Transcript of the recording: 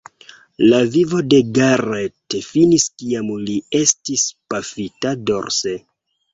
La vivo de Garrett finis kiam li estis pafita dorse.